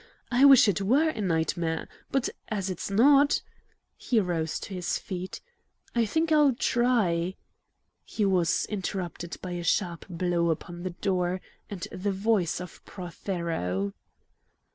I wish it were a nightmare. But, as it's not" he rose to his feet "I think I'll try " He was interrupted by a sharp blow upon the door and the voice of Prothero.